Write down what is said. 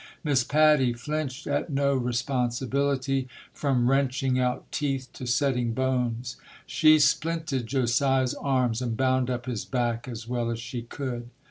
Miss Patty flinched at 196 ] UNSUNG HEROES no responsibility, from wrenching out teeth to setting bones. She splinted Josiah's arms and bound up his back as well as she could.